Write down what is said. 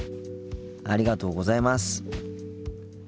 ありがとうございます。